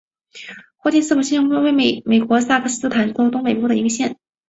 霍普金斯县位美国德克萨斯州东北部的一个县。